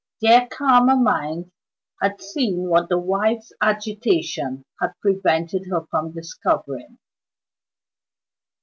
Their calmer minds had seen what the wife's agitation had prevented her from discovering.